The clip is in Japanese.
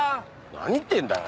何言ってんだよ？